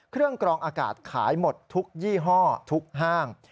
กรองอากาศขายหมดทุกยี่ห้อทุกห้าง